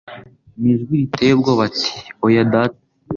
Mu ijwi riteye ubwoba ati: "Oya, Data".